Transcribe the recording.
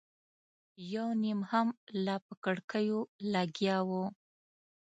یو نيم هم لا په کړکيو لګیا و.